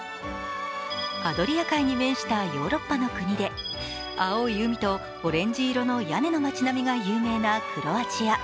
アドリア海に面したヨーロッパの国で青い海とオレンジ色の屋根の町並みが有名なクロアチア。